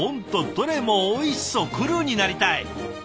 どれもおいしそうクルーになりたい！